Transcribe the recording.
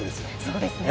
そうですね。